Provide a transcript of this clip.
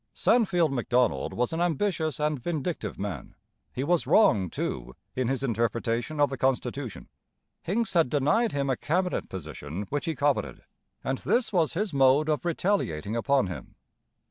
Sandfield Macdonald was an ambitious and vindictive man. He was wrong, too, in his interpretation of the constitution. Hincks had denied him a cabinet position which he coveted, and this was his mode of retaliating upon him.